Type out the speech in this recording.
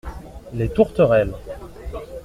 Les tourterelles.